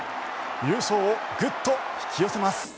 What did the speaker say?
優勝をグッと引き寄せます。